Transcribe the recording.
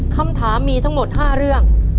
คำถามมีทั้งหมด๕เรื่อง